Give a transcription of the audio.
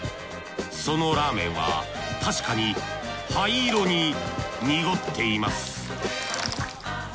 そのラーメンは確かに灰色に濁っています